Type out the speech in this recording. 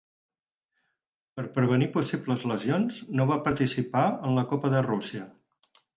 Per prevenir possibles lesions no va participar en la Copa de Rússia.